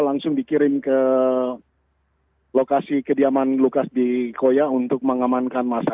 langsung dikirim ke lokasi kediaman lukas di koya untuk mengamankan masa